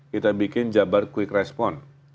kita bikin jabar quick response